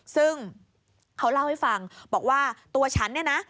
ซึ่งเขาเล่าให้ฟังบอกว่าตัวฉันเนี่ยนะ